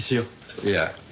いや。